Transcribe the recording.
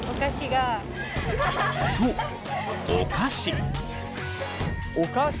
そうお菓子。